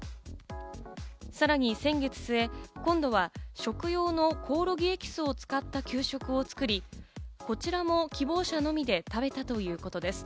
さらに先月末、今度は食用のコオロギエキスを使った給食を作り、こちらも希望者のみで食べたということです。